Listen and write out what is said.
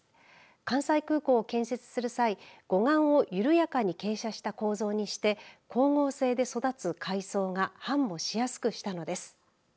関西空港を建設する際護岸を緩やかに傾斜した構造にして光合成で育つ海藻が繁茂しやすくしたのです。